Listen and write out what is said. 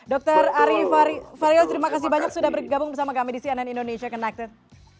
dr ari fario terima kasih banyak sudah bergabung bersama kami di cnn indonesia connected